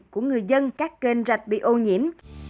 của người dân các kênh rạch bị ô nhiễm